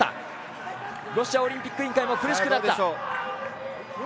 ロシアオリンピック委員会も苦しくなった。